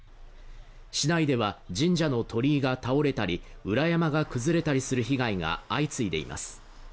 市内では、神社の鳥居が倒れたり、裏山が崩れたりする被害が相次いでいます。